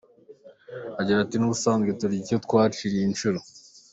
Agira ati “N’ubusanzwe turya ari uko twaciye inshuro.